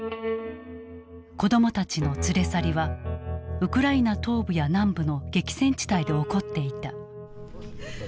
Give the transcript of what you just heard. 子どもたちの連れ去りはウクライナ東部や南部の激戦地帯で起こっていた。